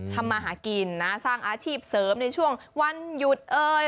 ทำมาหากินนะสร้างอาชีพเสริมในช่วงวันหยุดเอ่ย